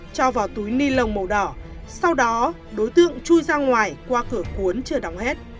cho vào túi ni lông màu đỏ sau đó đối tượng chui ra ngoài qua cửa cuốn chưa đóng hết